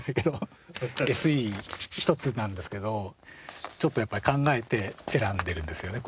ＳＥひとつなんですけどちょっとやっぱり考えて選んでいるんですよね